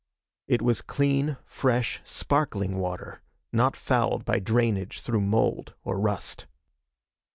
It was clean, fresh, sparkling water, not fouled by drainage through mould or rust.